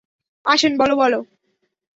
আসেন, বলো বলো?